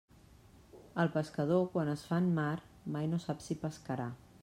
El pescador quan es fa en mar mai no sap si pescarà.